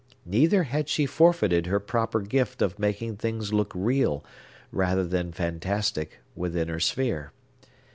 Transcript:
Neither had she forfeited her proper gift of making things look real, rather than fantastic, within her sphere.